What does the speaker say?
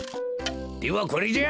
ではこれじゃ。